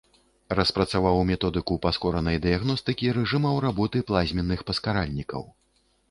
Распрацаваў методыку паскоранай дыягностыкі рэжымаў работы плазменных паскаральнікаў.